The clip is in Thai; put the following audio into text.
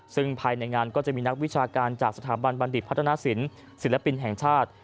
ซึ่งภายในงานก็จะมีนักวิชาการจากสถาบันบัณฑิตพัฒนาศิลป์ศิลปินแห่งชาติ